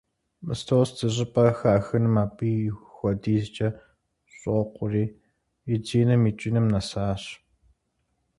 Мысост зыщӀыпӀэ хахыным абы хуэдизкӀэ щӀокъури, и диным икӀыным нэсащ.